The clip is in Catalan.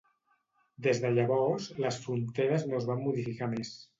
Des de llavors, les fronteres no es van modificar més.